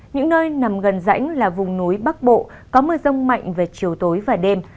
những nơi nằm gần rãnh là vùng núi bắc bộ có mưa rông mạnh về chiều tối và đêm